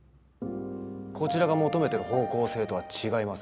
こちらが求めてる方向性とは違います。